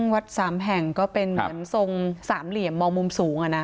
วัดสามแห่งก็เป็นเหมือนทรงสามเหลี่ยมมองมุมสูง